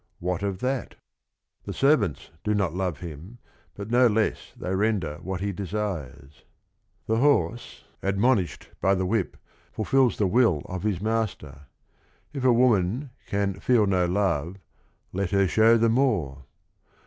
What of that ? The servants do not love him, but no less they render what he desires. The horse admonished by the 182 THE RING AND THE BOOK whip fullfils the will of his master. If a woman can " feel no love, let her show the more."